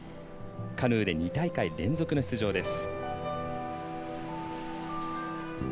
カヌーで２大会、連続の出場です。